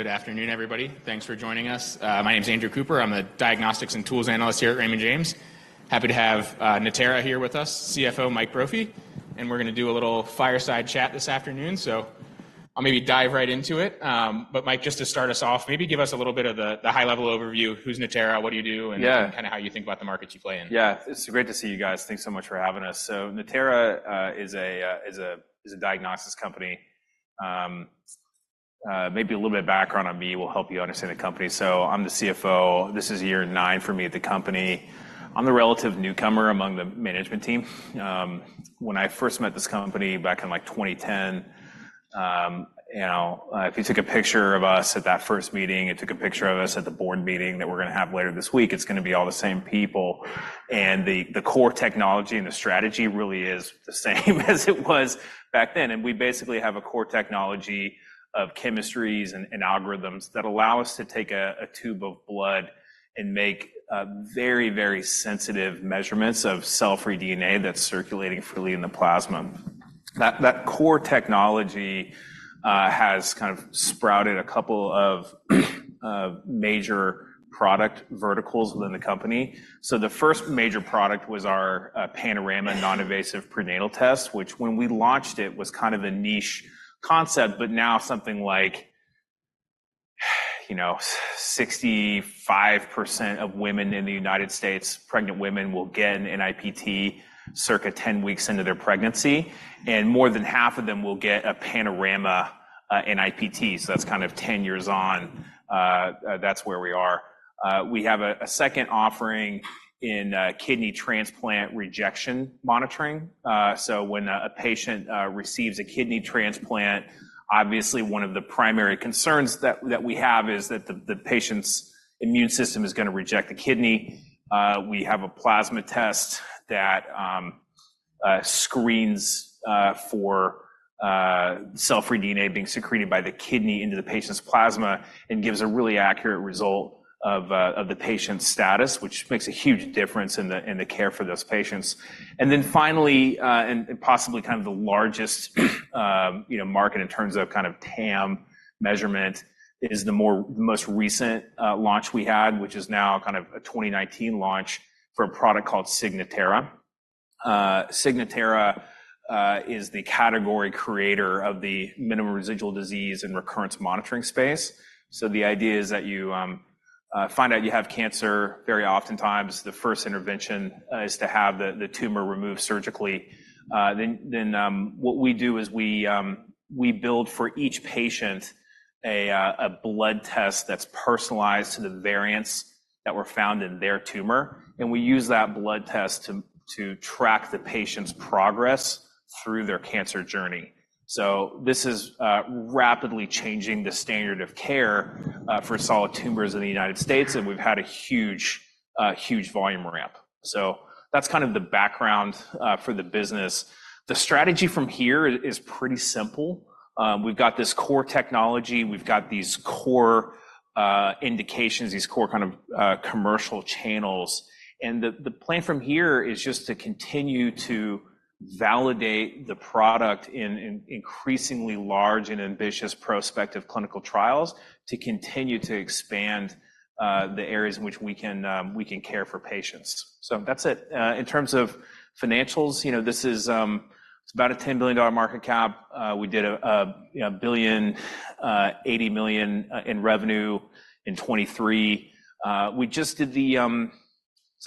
Good afternoon, everybody. Thanks for joining us. My name is Andrew Cooper. I'm a Diagnostics and Tools Analyst here at Raymond James. Happy to have Natera here with us, CFO Mike Brophy, and we're going to do a little fireside chat this afternoon. So, I'll maybe dive right into it. But, Mike, just to start us off, maybe give us a little bit of the high-level overview: who's Natera, what do you do, and kind of how you think about the markets you play in. Yeah. It's great to see you guys. Thanks so much for having us. So, Natera is a diagnostics company. Maybe a little bit of background on me will help you understand the company. So, I'm the CFO. This is year nine for me at the company. I'm the relative newcomer among the management team. When I first met this company back in, like, 2010, if you took a picture of us at that first meeting, you took a picture of us at the board meeting that we're going to have later this week, it's going to be all the same people. And the core technology and the strategy really is the same as it was back then. We basically have a core technology of chemistries and algorithms that allow us to take a tube of blood and make very, very sensitive measurements of cell-free DNA that's circulating freely in the plasma. That core technology has kind of sprouted a couple of major product verticals within the company. The first major product was our Panorama Noninvasive Prenatal Test, which, when we launched it, was kind of a niche concept, but now something like 65% of women in the United States, pregnant women, will get an NIPT circa 10 weeks into their pregnancy, and more than half of them will get a Panorama NIPT. That's kind of 10 years on. That's where we are. We have a second offering in kidney transplant rejection monitoring. So, when a patient receives a kidney transplant, obviously, one of the primary concerns that we have is that the patient's immune system is going to reject the kidney. We have a plasma test that screens for cell-free DNA being secreted by the kidney into the patient's plasma and gives a really accurate result of the patient's status, which makes a huge difference in the care for those patients. And then finally, and possibly kind of the largest market in terms of kind of TAM measurement, is the most recent launch we had, which is now kind of a 2019 launch for a product called Signatera. Signatera is the category creator of the minimum residual disease and recurrence monitoring space. So, the idea is that you find out you have cancer. Very oftentimes, the first intervention is to have the tumor removed surgically. Then what we do is we build for each patient a blood test that's personalized to the variants that were found in their tumor, and we use that blood test to track the patient's progress through their cancer journey. So, this is rapidly changing the standard of care for solid tumors in the United States, and we've had a huge, huge volume ramp. So, that's kind of the background for the business. The strategy from here is pretty simple. We've got this core technology. We've got these core indications; these core kind of commercial channels. And the plan from here is just to continue to validate the product in increasingly large and ambitious prospective clinical trials to continue to expand the areas in which we can care for patients. So that's it. In terms of financials, this is about a $10 billion market cap. We did $1.08 billion in revenue in 2023. We just did, so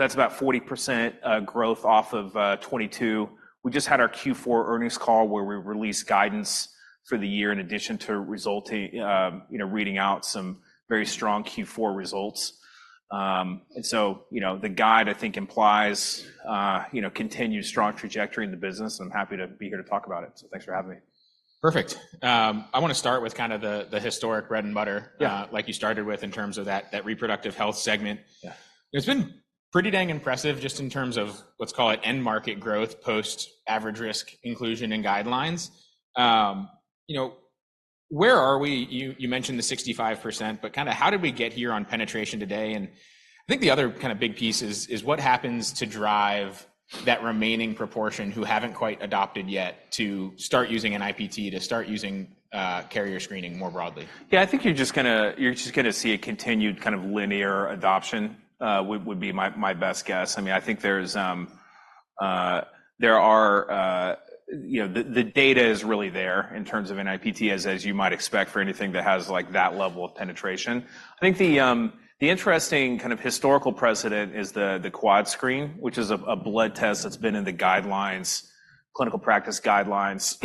that's about 40% growth off of 2022. We just had our Q4 earnings call where we released guidance for the year, in addition to resulting reading out some very strong Q4 results. And so, the guide, I think, implies continued strong trajectory in the business, and I'm happy to be here to talk about it. So, thanks for having me. Perfect. I want to start with kind of the historic bread and butter, like you started with, in terms of that reproductive health segment. It's been pretty dang impressive just in terms of, let's call it, end market growth post average risk inclusion and guidelines. Where are we? You mentioned the 65%, but kind of how did we get here on penetration today? And I think the other kind of big piece is what happens to drive that remaining proportion who haven't quite adopted yet to start using NIPT, to start using carrier screening more broadly? Yeah, I think you're just going to see a continued kind of linear adoption would be my best guess. I mean, I think there are the data is really there in terms of NIPT, as you might expect for anything that has that level of penetration. I think the interesting kind of historical precedent is the Quad Screen, which is a blood test that's been in the guidelines, clinical practice guidelines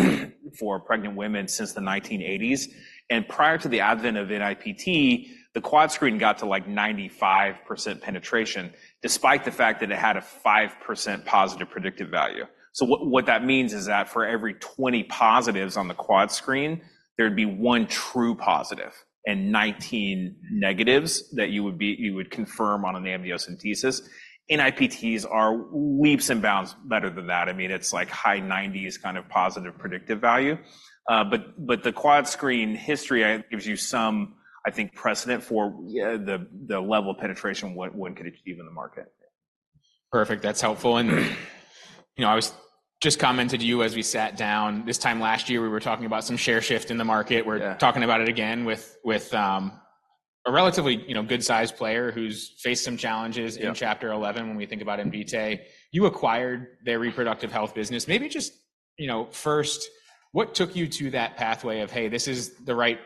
for pregnant women since the 1980s. And prior to the advent of NIPT, the Quad Screen got to like 95% penetration, despite the fact that it had a 5% positive predictive value. So, what that means is that for every 20 positives on the Quad Screen, there'd be 1 true positive and 19 negatives that you would confirm on an amniocentesis. NIPTs are leaps and bounds better than that. I mean, it's like high 90s kind of positive predictive value. But the Quad Screen history, I think, gives you some, I think, precedent for the level of penetration one could achieve in the market. Perfect. That's helpful. I was just commenting to you as we sat down this time last year, we were talking about some share shift in the market. We're talking about it again with a relatively good-sized player who's faced some challenges in Chapter 11. When we think about Invitae, you acquired their reproductive health business. Maybe just first, what took you to that pathway of, hey, this is the right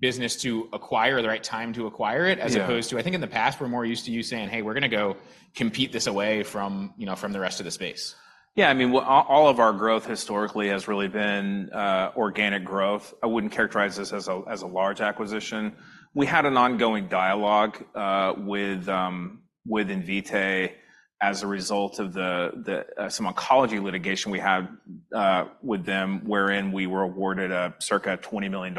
business to acquire, the right time to acquire it, as opposed to, I think, in the past, we're more used to you saying, hey, we're going to go compete this away from the rest of the space. Yeah. I mean, all of our growth historically has really been organic growth. I wouldn't characterize this as a large acquisition. We had an ongoing dialogue with Invitae as a result of some oncology litigation we had with them, wherein we were awarded a circa $20 million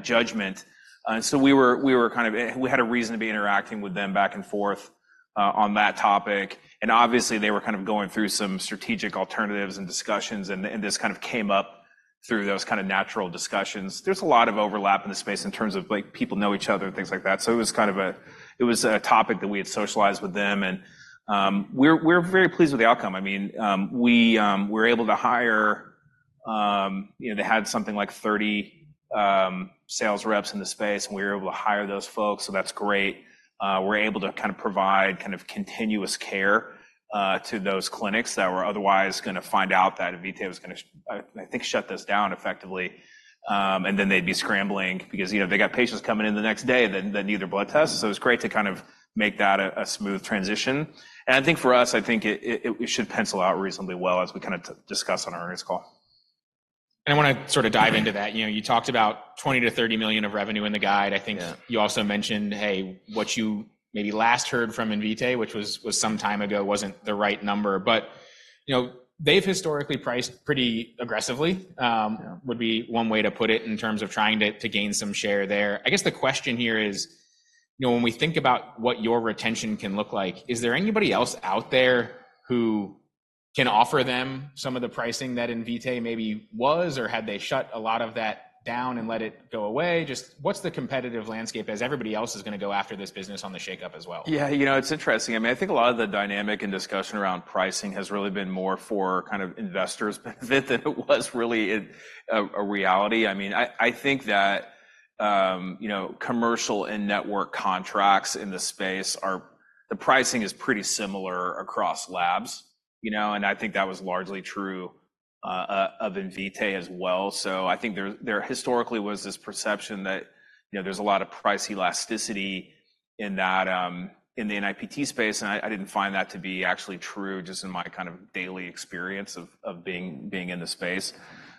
judgment. And so, we were kind of, we had a reason to be interacting with them back and forth on that topic. And obviously, they were kind of going through some strategic alternatives and discussions, and this kind of came up through those kinds of natural discussions. There's a lot of overlap in the space in terms of people know each other and things like that. So, it was kind of a topic that we had socialized with them, and we're very pleased with the outcome. I mean, we were able to hire. They had something like 30 sales reps in the space, and we were able to hire those folks. So that's great. We're able to kind of provide kind of continuous care to those clinics that were otherwise going to find out that Invitae was going to, I think, shut this down effectively. And then they'd be scrambling because they got patients coming in the next day that need their blood tests. So, it was great to kind of make that a smooth transition. And I think for us, I think it should pencil out reasonably well, as we kind of discussed on our earnings call. And I want to sort of dive into that. You talked about $20 million-$30 million of revenue in the guide. I think you also mentioned, hey, what you maybe last heard from Invitae, which was some time ago, wasn't the right number. But they've historically priced pretty aggressively, would be one way to put it, in terms of trying to gain some share there. I guess the question here is, when we think about what your retention can look like, is there anybody else out there who can offer them some of the pricing that Invitae maybe was, or had they shut a lot of that down and let it go away? Just what's the competitive landscape, as everybody else is going to go after this business on the shakeup as well? Yeah, you know it's interesting. I mean, I think a lot of the dynamic and discussion around pricing has really been more for kind of investors' benefit than it was really a reality. I mean, I think that commercial and network contracts in the space are the pricing is pretty similar across labs. And I think that was largely true of Invitae as well. So, I think there historically was this perception that there's a lot of price elasticity in the NIPT space, and I didn't find that to be actually true, just in my kind of daily experience of being in the space.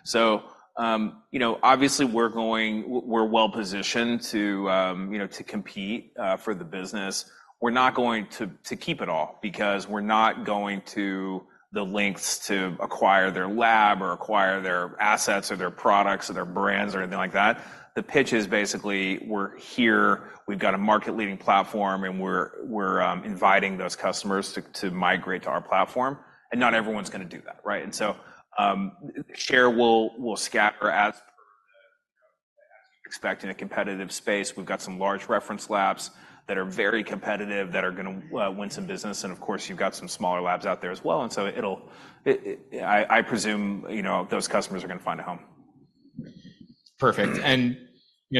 So obviously, we're well positioned to compete for the business. We're not going to keep it all because we're not going to the lengths to acquire their lab or acquire their assets or their products or their brands or anything like that. The pitch is basically, we're here. We've got a market-leading platform, and we're inviting those customers to migrate to our platform. And not everyone's going to do that, right? And so share will scatter as you'd expect in a competitive space. We've got some large reference labs that are very competitive, that are going to win some business. And of course, you've got some smaller labs out there as well. And so it'll, I presume, those customers are going to find a home. Perfect. And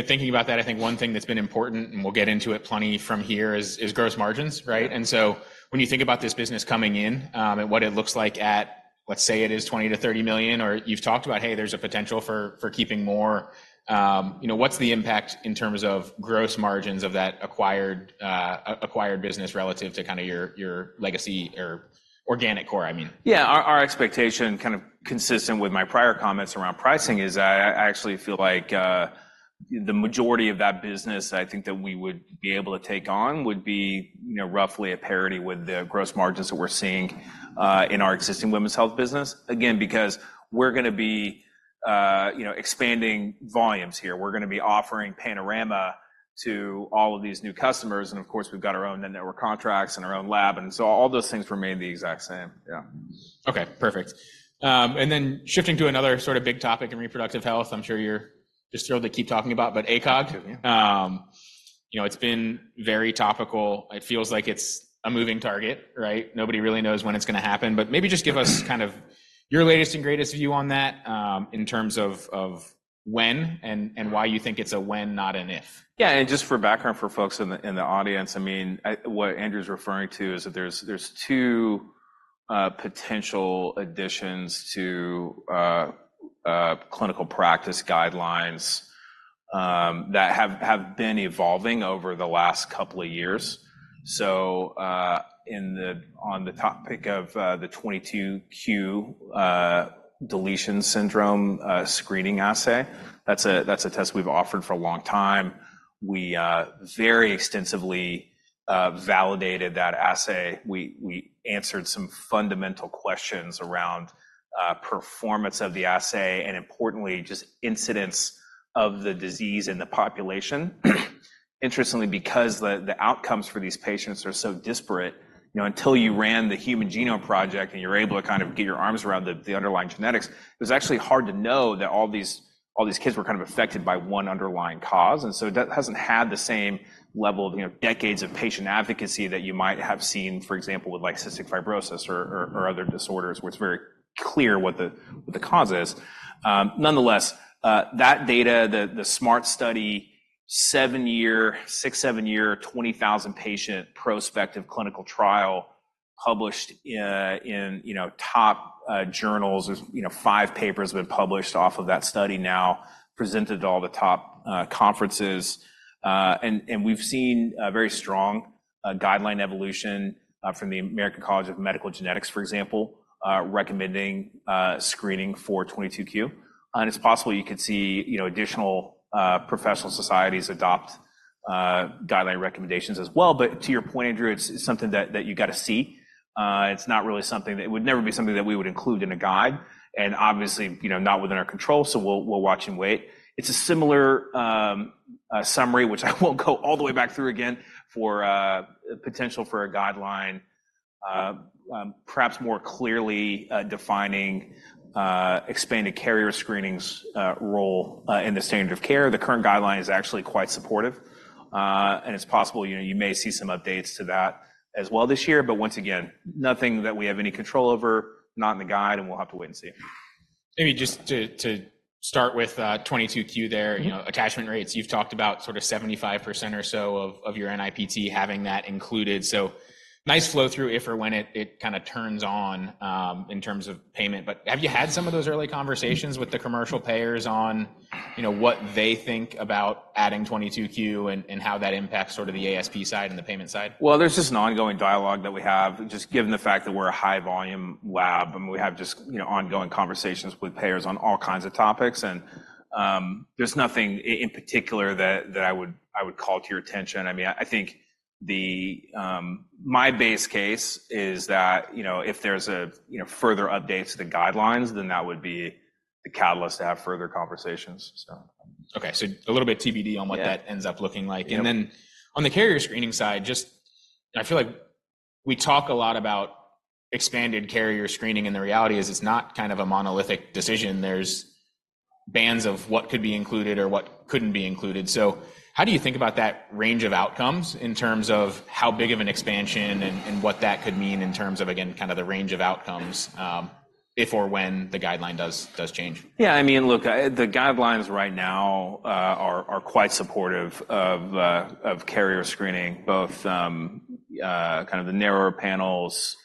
thinking about that, I think one thing that's been important, and we'll get into it plenty from here, is gross margins, right? And so, when you think about this business coming in and what it looks like at, let's say, it is $20 million-$30 million, or you've talked about, hey, there's a potential for keeping more. What's the impact in terms of gross margins of that acquired business relative to kind of your legacy or organic core, I mean? Yeah, our expectation, kind of consistent with my prior comments around pricing, is I actually feel like the majority of that business, I think that we would be able to take on would be roughly a parity with the gross margins that we're seeing in our existing women's health business. Again, because we're going to be expanding volumes here. We're going to be offering Panorama to all of these new customers. And of course, we've got our own network contracts and our own lab. And so, all those things remain the exact same. Yeah. Okay, perfect. And then shifting to another sort of big topic in reproductive health, I'm sure you're just thrilled to keep talking about, but ACOG. It's been very topical. It feels like it's a moving target, right? Nobody really knows when it's going to happen. But maybe just give us kind of your latest and greatest view on that in terms of when and why you think it's a when, not an if. Yeah. And just for background for folks in the audience, I mean, what Andrew's referring to is that there's two potential additions to clinical practice guidelines that have been evolving over the last couple of years. So, on the topic of the 22q Deletion Syndrome screening assay, that's a test we've offered for a long time. We very extensively validated that assay. We answered some fundamental questions around performance of the assay, and importantly, just incidence of the disease in the population. Interestingly, because the outcomes for these patients are so disparate, until you ran the Human Genome Project and you're able to kind of get your arms around the underlying genetics, it was actually hard to know that all these kids were kind of affected by one underlying cause. And so, it hasn't had the same level of decades of patient advocacy that you might have seen, for example, with Cystic Fibrosis or other disorders, where it's very clear what the cause is. Nonetheless, that data, the SMART Study, 7-year, 6-7-year, 20,000-patient prospective clinical trial published in top journals. There are five papers that have been published off of that study now, presented at all the top conferences. And we've seen very strong guideline evolution from the American College of Medical Genetics and Genomics, for example, recommending screening for 22q. And it's possible you could see additional professional societies adopt guideline recommendations as well. But to your point, Andrew, it's something that you got to see. It's not really something that it would never be something that we would include in a guide, and obviously not within our control. So, we'll watch and wait. It's a similar summary, which I won't go all the way back through again, for potential for a guideline perhaps more clearly defining Expanded Carrier Screening's role in the standard of care. The current guideline is actually quite supportive. And it's possible you may see some updates to that as well this year. But once again, nothing that we have any control over, not in the guide, and we'll have to wait and see. Maybe just to start with 22q there, attachment rates, you've talked about sort of 75% or so of your NIPT having that included. So nice flow through if or when it kind of turns on in terms of payment. But have you had some of those early conversations with the commercial payers on what they think about adding 22q and how that impacts sort of the ASP side and the payment side? Well, there's just an ongoing dialogue that we have, just given the fact that we're a high-volume lab. We have just ongoing conversations with payers on all kinds of topics. There's nothing in particular that I would call to your attention. I mean, I think my base case is that if there's further updates to the guidelines, then that would be the catalyst to have further conversations. Okay, so a little bit TBD on what that ends up looking like. And then on the carrier screening side, just I feel like we talk a lot about expanded carrier screening. And the reality is it's not kind of a monolithic decision. There's bands of what could be included or what couldn't be included. So, how do you think about that range of outcomes in terms of how big of an expansion and what that could mean in terms of, again, kind of the range of outcomes if or when the guideline does change? Yeah, I mean, look, the guidelines right now are quite supportive of carrier screening, both kind of the narrower panels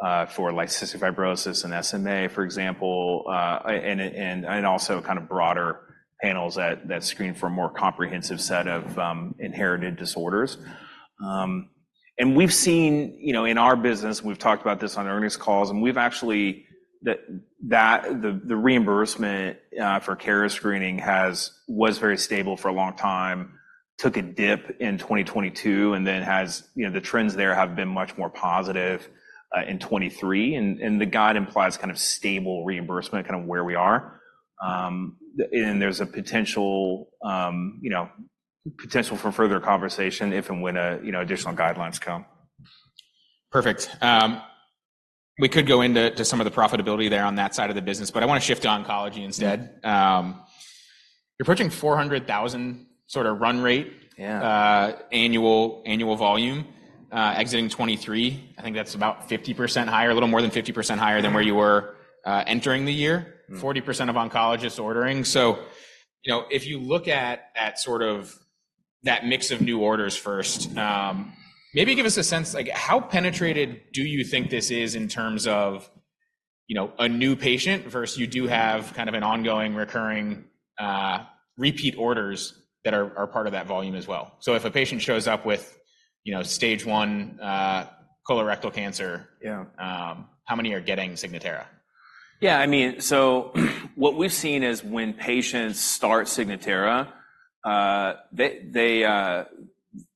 for Cystic Fibrosis and SMA, for example, and also kind of broader panels that screen for a more comprehensive set of inherited disorders. And we've seen in our business, we've talked about this on earnings calls, and we've actually the reimbursement for carrier screening was very stable for a long time, took a dip in 2022, and then the trends there have been much more positive in 2023. And the guide implies kind of stable reimbursement, kind of where we are. And there's a potential for further conversation if and when additional guidelines come. Perfect. We could go into some of the profitability there on that side of the business, but I want to shift to oncology instead. You're approaching 400,000 sorts of run rate, annual volume, exiting 2023. I think that's about 50% higher, a little more than 50% higher than where you were entering the year, 40% of oncologists ordering. So, if you look at sort of that mix of new orders first, maybe give us a sense, how penetrated do you think this is in terms of a new patient versus you do have kind of an ongoing, recurring repeat orders that are part of that volume as well? So, if a patient shows up with stage one colorectal cancer, how many are getting Signatera? Yeah, I mean, so what we've seen is when patients start Signatera, they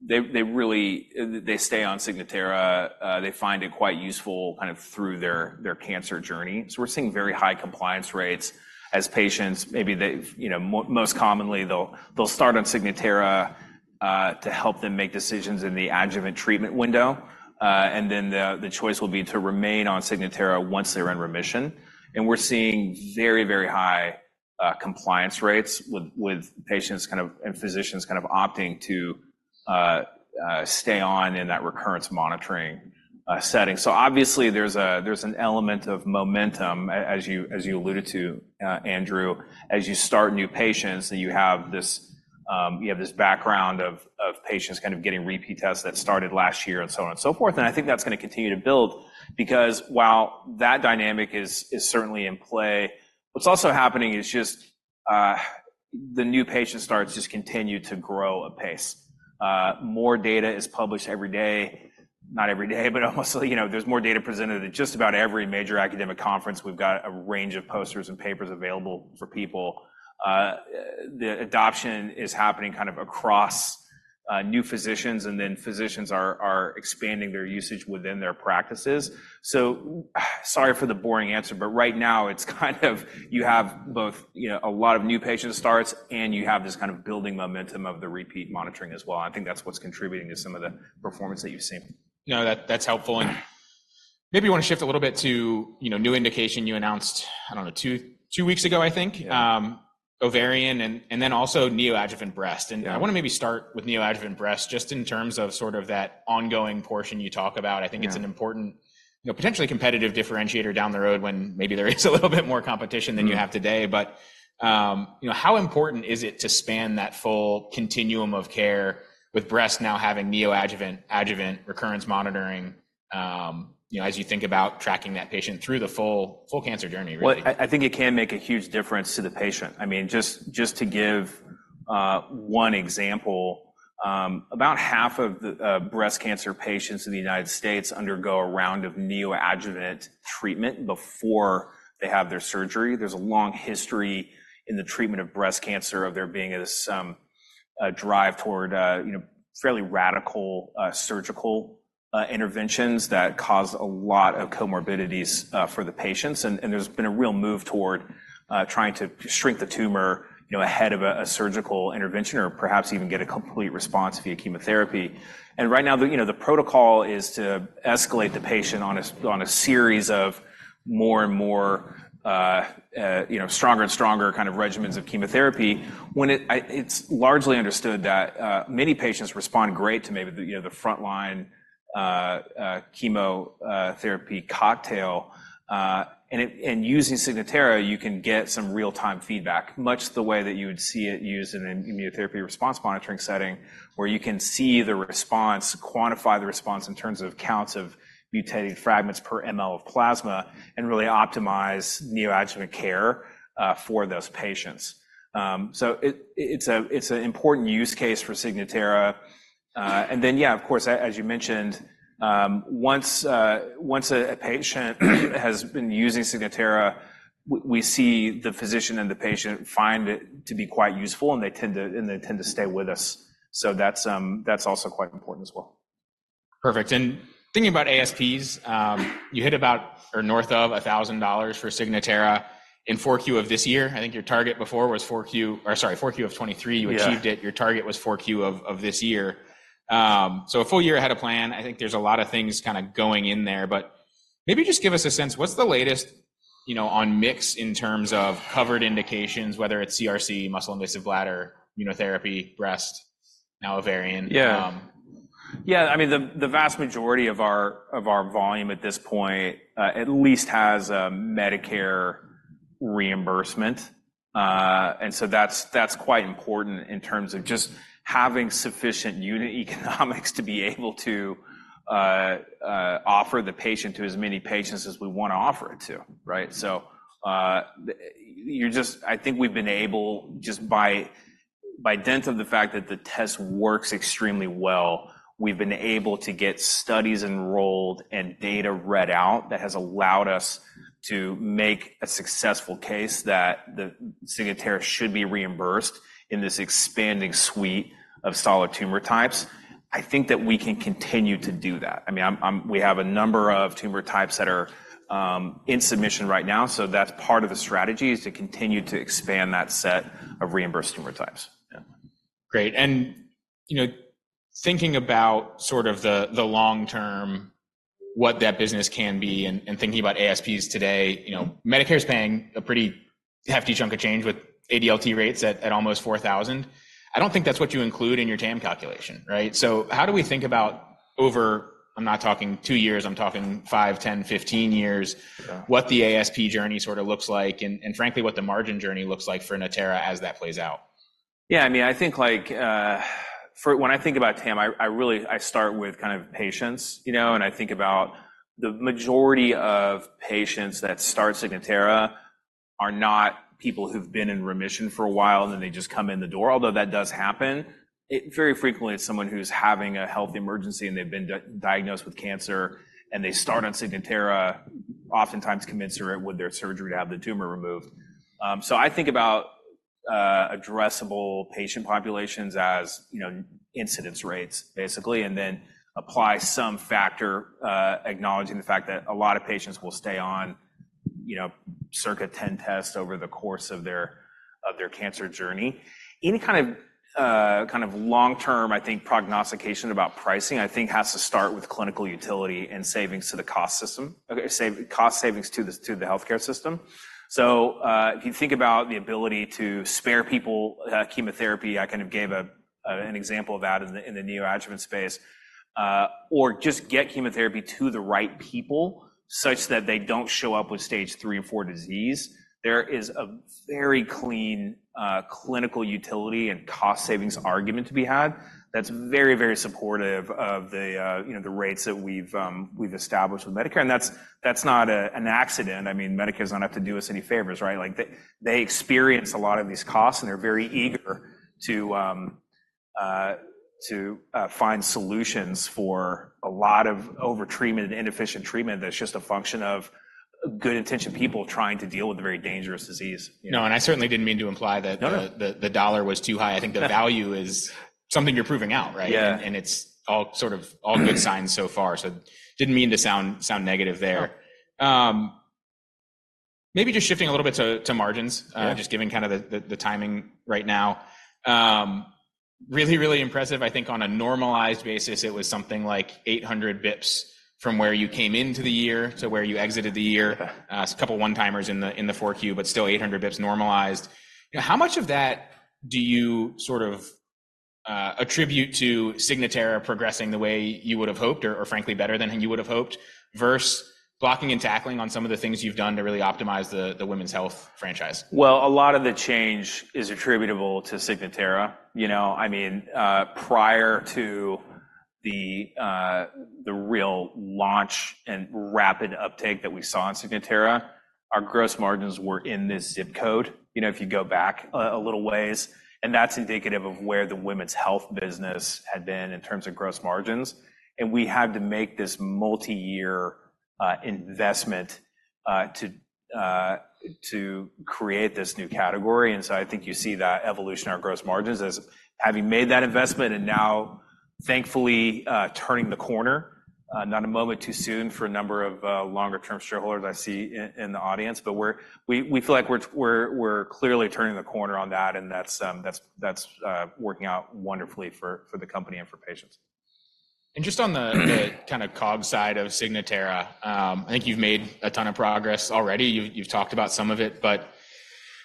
really stay on Signatera. They find it quite useful kind of through their cancer journey. So, we're seeing very high compliance rates as patients, maybe most commonly, they'll start on Signatera to help them make decisions in the adjuvant treatment window. And then the choice will be to remain on Signatera once they're in remission. And we're seeing very, very high compliance rates with patient's kind of and physician's kind of opting to stay on in that recurrence monitoring setting. So obviously, there's an element of momentum, as you alluded to, Andrew, as you start new patients, and you have this background of patient's kind of getting repeat tests that started last year, and so on and so forth. I think that's going to continue to build because while that dynamic is certainly in play, what's also happening is just the new patient starts just continuing to grow apace. More data is published every day. Not every day, but almost. There's more data presented at just about every major academic conference. We've got a range of posters and papers available for people. The adoption is happening kind of across new physicians, and then physicians are expanding their usage within their practices. So sorry for the boring answer, but right now it's kind of, you have both a lot of new patient starts, and you have this kind of building momentum of the repeat monitoring as well. I think that's what's contributing to some of the performance that you've seen. No, that's helpful. And maybe you want to shift a little bit to new indication you announced, I don't know, two weeks ago, I think, ovarian, and then also neoadjuvant breast. And I want to maybe start with neoadjuvant breast just in terms of sort of that ongoing portion you talk about. I think it's an important, potentially competitive differentiator down the road when maybe there is a little bit more competition than you have today. But how important is it to span that full continuum of care with breast now having neoadjuvant, adjuvant recurrence monitoring as you think about tracking that patient through the full cancer journey, really? Well, I think it can make a huge difference to the patient. I mean, just to give one example, about half of the breast cancer patients in the United States undergo a round of neoadjuvant treatment before they have their surgery. There's a long history in the treatment of breast cancer of there being some drive toward fairly radical surgical interventions that cause a lot of comorbidities for the patients. There's been a real move toward trying to shrink the tumor ahead of a surgical intervention, or perhaps even get a complete response via chemotherapy. Right now, the protocol is to escalate the patient on a series of more and more strong and stronger kind of regimens of chemotherapy. It's largely understood that many patients respond great to maybe the frontline chemotherapy cocktail. Using Signatera, you can get some real-time feedback, much the way that you would see it used in an immunotherapy response monitoring setting, where you can see the response, quantify the response in terms of counts of mutated fragments per ml of plasma, and really optimize neoadjuvant care for those patients. It's an important use case for Signatera. Then, yeah, of course, as you mentioned, once a patient has been using Signatera, we see the physician and the patient find it to be quite useful, and they tend to stay with us. That's also quite important as well. Perfect. And thinking about ASPs, you hit about or north of $1,000 for Signatera in 4Q of this year. I think your target before was 4Q, or sorry, 4Q of 2023. You achieved it. Your target was 4Q of this year. So, a full year ahead of plan. I think there's a lot of things kind of going in there. But maybe just give us a sense, what's the latest on mix in terms of covered indications, whether it's CRC, muscle invasive bladder, immunotherapy, breast, now ovarian? Yeah. Yeah, I mean, the vast majority of our volume at this point at least has Medicare reimbursement. And so that's quite important in terms of just having sufficient unit economics to be able to offer the test to as many patients as we want to offer it to, right? So, I think we've been able, just by dint of the fact that the test works extremely well, we've been able to get studies enrolled and data read out that has allowed us to make a successful case that the Signatera should be reimbursed in this expanding suite of solid tumor types. I think that we can continue to do that. I mean, we have a number of tumor types that are in submission right now. So that's part of the strategy is to continue to expand that set of reimbursed tumor types. Great. And thinking about sort of the long term, what that business can be, and thinking about ASPs today, Medicare is paying a pretty hefty chunk of change with ADLT rates at almost 4,000. I don't think that's what you include in your TAM calculation, right? So how do we think about over I'm not talking two years. I'm talking five, 10, 15 years, what the ASP journey sort of looks like, and frankly, what the margin journey looks like for Natera as that plays out? Yeah, I mean, I think when I think about TAM, I start with kind of patients. And I think about the majority of patients that start Signatera are not people who've been in remission for a while, and then they just come in the door, although that does happen. Very frequently, it's someone who's having a health emergency, and they've been diagnosed with cancer, and they start on Signatera, oftentimes commensurate with their surgery to have the tumor removed. So, I think about addressable patient populations as incidence rates, basically, and then apply some factor, acknowledging the fact that a lot of patients will stay on circa 10 tests over the course of their cancer journey. Any kind of long term, I think, prognostication about pricing, I think, has to start with clinical utility and savings to the cost system, cost savings to the healthcare system. If you think about the ability to spare people chemotherapy, I kind of gave an example of that in the neoadjuvant space. Or just get chemotherapy to the right people such that they don't show up with stage three and four diseases. There is a very clean clinical utility and cost savings argument to be had that's very, very supportive of the rates that we've established with Medicare. That's not an accident. I mean, Medicare does not have to do us any favors, right? They experience a lot of these costs, and they're very eager to find solutions for a lot of overtreatment and inefficient treatment that's just a function of good intention people trying to deal with a very dangerous disease. No, and I certainly didn't mean to imply that the dollar was too high. I think the value is something you're proving out, right? And it's all sort of all good signs so far. So didn't mean to sound negative there. Maybe just shifting a little bit to margins, just giving kind of the timing right now. Really, really impressive. I think on a normalized basis, it was something like 800 basis points from where you came into the year to where you exited the year. A couple of one-timers in the 4Q, but still 800 basis points normalized. How much of that do you sort of attribute to Signatera progressing the way you would have hoped, or frankly, better than you would have hoped, versus blocking and tackling on some of the things you've done to really optimize the women's health franchise? Well, a lot of the change is attributable to Signatera. I mean, prior to the real launch and rapid uptake that we saw in Signatera, our gross margins were in this zip code, if you go back a little ways. And that's indicative of where the women's health business had been in terms of gross margins. And we had to make this multi-year investment to create this new category. And so I think you see that evolution in our gross margins as having made that investment and now, thankfully, turning the corner, not a moment too soon for a number of longer-term shareholders I see in the audience. But we feel like we're clearly turning the corner on that, and that's working out wonderfully for the company and for patients. Just on the kind of COGS side of Signatera, I think you've made a ton of progress already. You've talked about some of it, but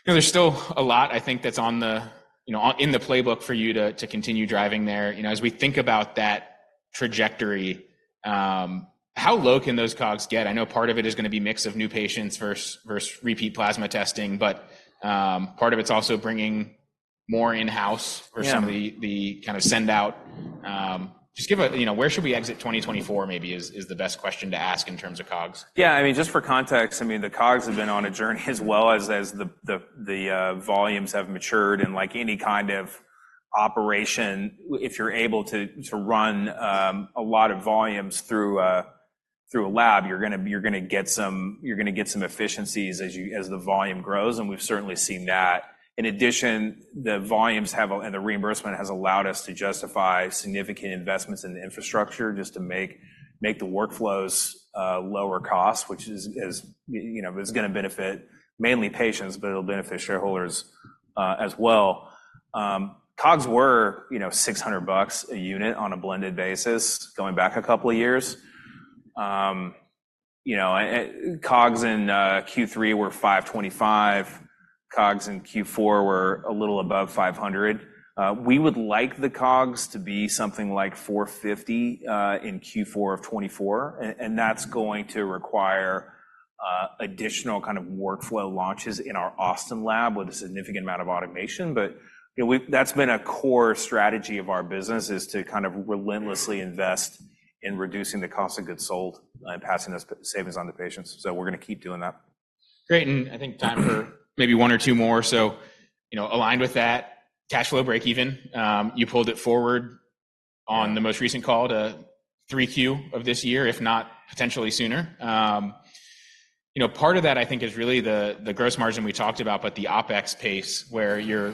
there's still a lot, I think, that's in the playbook for you to continue driving there. As we think about that trajectory, how low can those COGS get? I know part of it is going to be mix of new patients versus repeat plasma testing, but part of it's also bringing more in-house for some of the kind of send-out. Just give a where should we exit 2024, maybe, is the best question to ask in terms of COGS? Yeah, I mean, just for context, I mean, the COGS have been on a journey as well as the volumes have matured. And like any kind of operation, if you're able to run a lot of volumes through a lab, you're going to get some efficiencies as the volume grows. And we've certainly seen that. In addition, the volumes have and the reimbursement has allowed us to justify significant investments in the infrastructure just to make the workflows lower costs, which is going to benefit mainly patients, but it'll benefit shareholders as well. COGS were $600 a unit on a blended basis going back a couple of years. COGS in Q3 were $525. COGS in Q4 were a little above $500. We would like the COGS to be something like $450 in Q4 of 2024. That's going to require additional kind of workflow launches in our Austin lab with a significant amount of automation. But that's been a core strategy of our business is to kind of relentlessly invest in reducing the cost of goods sold and passing those savings on to patients. So we're going to keep doing that. Great. And I think time for maybe 1 or 2 more. So aligned with that, cash flow breakeven, you pulled it forward on the most recent call to 3Q of this year, if not potentially sooner. Part of that, I think, is really the gross margin we talked about, but the OpEx pace, where you're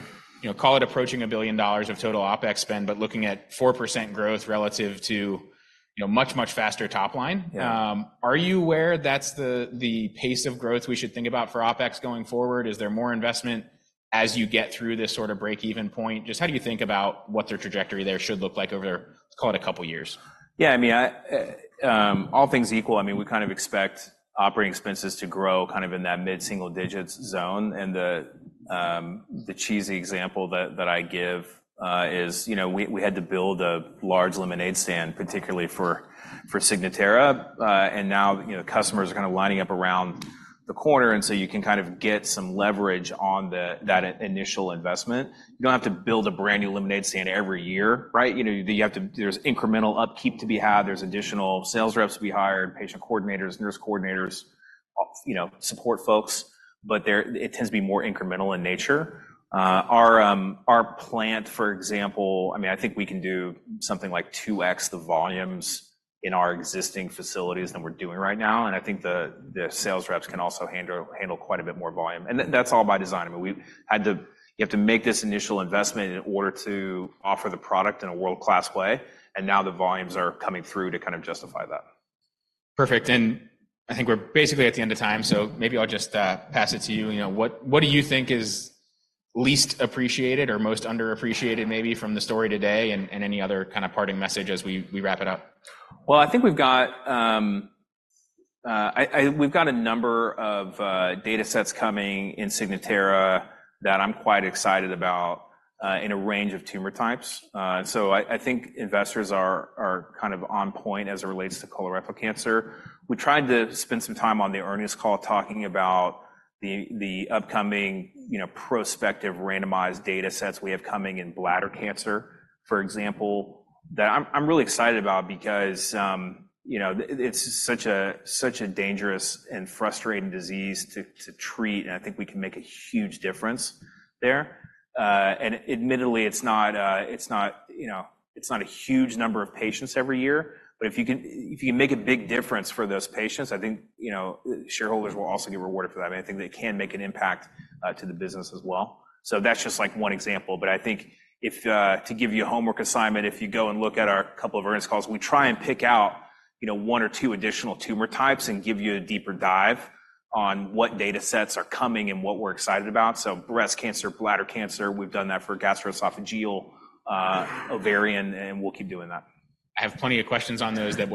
call it approaching $1 billion of total OpEx spend, but looking at 4% growth relative to much, much faster topline. Are you aware that's the pace of growth we should think about for OpEx going forward? Is there more investment as you get through this sort of breakeven point? Just how do you think about what their trajectory there should look like over, call it, a couple of years? Yeah, I mean, all things equal, I mean, we kind of expect operating expenses to grow kind of in that mid-single digit's zone. And the cheesy example that I give is we had to build a large lemonade stand, particularly for Signatera. And now customers are kind of lining up around the corner, and so you can kind of get some leverage on that initial investment. You don't have to build a brand-new lemonade stand every year. Right? There's incremental upkeep to be had. There's additional sales reps to be hired, patient coordinators, nurse coordinators, support folks. But it tends to be more incremental in nature. Our plant, for example, I mean, I think we can do something like 2x the volumes in our existing facilities than we're doing right now. And I think the sales reps can also handle quite a bit more volume. That's all by design. I mean, you have to make this initial investment in order to offer the product in a world-class way. Now the volumes are coming through to kind of justify that. Perfect. I think we're basically at the end of time. Maybe I'll just pass it to you. What do you think is least appreciated or most underappreciated, maybe, from the story today and any other kind of parting message as we wrap it up? Well, I think we've got a number of data sets coming in Signatera that I'm quite excited about in a range of tumor types. So, I think investors are kind of on point as it relates to colorectal cancer. We tried to spend some time on the earliest call talking about the upcoming prospective randomized data sets we have coming in bladder cancer, for example, that I'm really excited about because it's such a dangerous and frustrating disease to treat. And I think we can make a huge difference there. And admittedly, it's not a huge number of patients every year. But if you can make a big difference for those patients, I think shareholders will also get rewarded for that. And I think they can make an impact to the business as well. So that's just like one example. But I think to give you a homework assignment, if you go and look at our couple of earnings calls, we try and pick out one or two additional tumor types and give you a deeper dive on what data sets are coming and what we're excited about. So, breast cancer, bladder cancer, we've done that for gastroesophageal, ovarian, and we'll keep doing that. I have plenty of questions on those that.